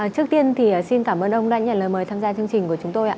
trước tiên xin cảm ơn ông đã nhận lời mời tham gia chương trình của chúng tôi